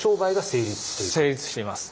成立しています。